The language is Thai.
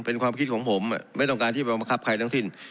เป็นความคิดของผมไม่ต้องการที่ไปบังคับใครทั้งสิ้น